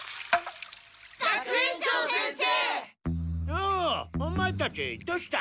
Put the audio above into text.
おおオマエたちどうした？